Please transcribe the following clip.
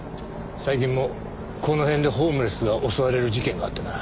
最近もこの辺でホームレスが襲われる事件があったな。